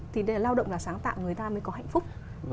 thì lao động là sáng tạo người ta mới có hạnh phúc